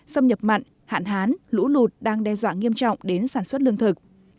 xâm nhập mặn hạn hán lũ lụt đang đe dọa nghiêm trọng đến sản xuất lương thực